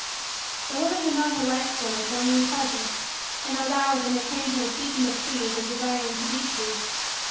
The woman had known her life schoolmates only in pleasure in those hours when they came to her seeking to please or desiring to be pleased.